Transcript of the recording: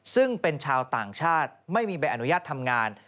ซึ่งเป็นชาวต่างชาติไม่มีใบอนุญาตทำงาน